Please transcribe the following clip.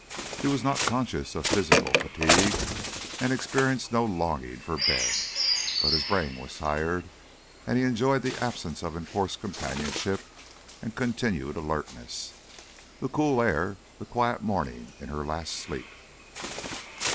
He was not conscious of physical fatigue, and experienced no longing for bed, but his brain was tired and he enjoyed the absence of enforced companionship and continued alertness, the cool air, the quiet morning in her last sleep.